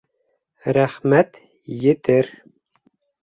Рәхмәт, етер